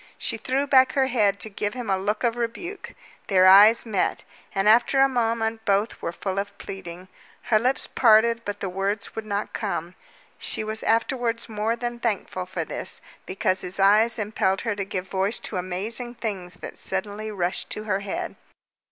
She threw back her head to give him a look of rebuke. Their eyes met, and after a moment both were full of pleading. Her lips parted, but the words would not come. She was afterwards more than thankful for this, because his eyes impelled her to give voice to amazing things that suddenly rushed to her head.